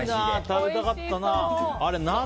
食べたかったな。